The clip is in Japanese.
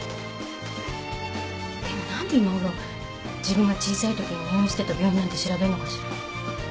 でも何で今ごろ自分が小さいときに入院してた病院なんて調べるのかしら。